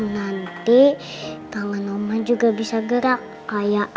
nanti tangan omah juga bisa gerak